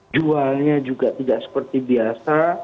jualnya juga tidak seperti biasa